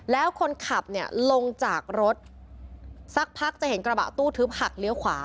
แล้วคนขับเนี่ยลงจากรถสักพักจะเห็นกระบะตู้ทึบหักเลี้ยวขวา